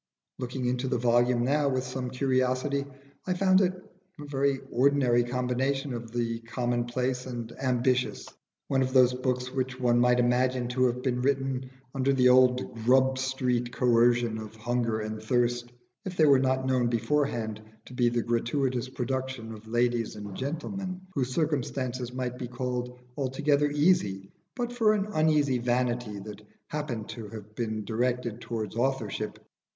Looking into the volume now with some curiosity, I found it a very ordinary combination of the commonplace and ambitious, one of those books which one might imagine to have been written under the old Grub Street coercion of hunger and thirst, if they were not known beforehand to be the gratuitous productions of ladies and gentlemen whose circumstances might be called altogether easy, but for an uneasy vanity that happened to have been directed towards authorship.